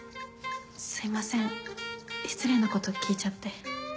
すいません失礼なこと聞いちゃって。